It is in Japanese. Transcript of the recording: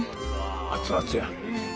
熱々や。